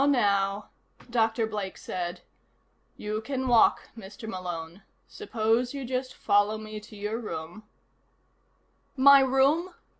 "Now, now," Dr. Blake said. "You can walk, Mr. Malone. Suppose you just follow me to your room " "My room?"